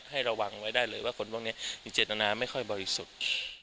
ให้ระวังไว้ได้เลยว่าคนพวกนี้มีเจตนาไม่ค่อยบริสุทธิ์